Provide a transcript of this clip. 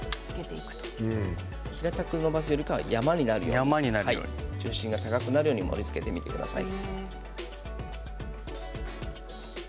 平たくのばすよりかは山になるように中心が高くなるように盛りつけてみてください。